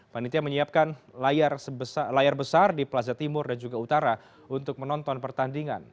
panitia menyiapkan layar besar di plaza timur dan juga utara untuk menonton pertandingan